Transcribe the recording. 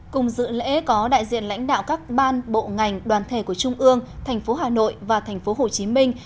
cùng dự lễ có đại diện lãnh đạo các ban bộ ngành đoàn thể của trung ương thành phố hà nội và thành phố hồ chí minh